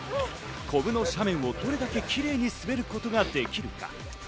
コブの斜面をどれだけキレイに滑ることができるか。